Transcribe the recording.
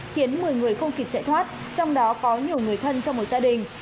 khiến một mươi người không kịp chạy thoát trong đó có nhiều người thân trong một gia đình